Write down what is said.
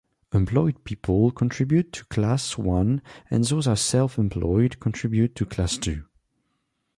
Employed people contribute to class one and those are self-employed contribute to class two.